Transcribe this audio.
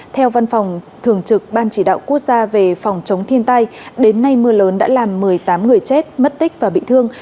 theo văn phòng thường trực ban chỉ đạo quốc gia về phòng chống thiên tai đến nay mưa lớn đã làm một mươi tám người chết mất tích và bị thương